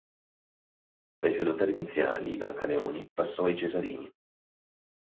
Dai feudatari iniziali, i Brancaleoni, passò ai Cesarini.